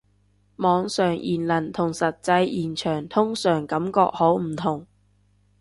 網上言論同實際現場通常感覺好唔同